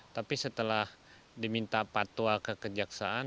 tapi setelah diminta patwa ke kejaksaan